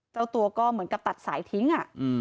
เจ้าตัวก็เหมือนกับตัดสายทิ้ง